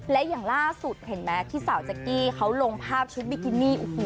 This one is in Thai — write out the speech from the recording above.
และอย่างล่าสุดเห็นมั้ยที่เสาจ๊ั๊กกี้เค้าลงภาพชุดบิกินนี่